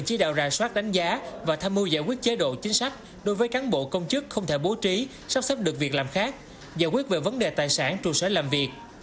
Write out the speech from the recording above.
chính sách đối với cán bộ công chức không thể bố trí sắp xếp được việc làm khác giải quyết về vấn đề tài sản trụ sở làm việc